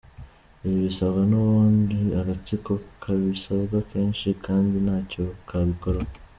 Ibi bisabwa n ubundi agatsiko kabisabwa kenshi kandi ntacyo kabikoraho.